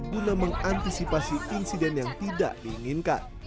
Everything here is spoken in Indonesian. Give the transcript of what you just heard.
guna mengantisipasi insiden yang tidak diinginkan